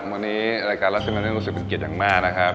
วันนี้รักษณะเรื่องรู้สึกเป็นเกียรติอย่างมากนะครับ